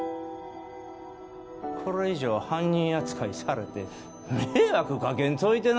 これ以上犯人扱いされて迷惑掛けんといてな？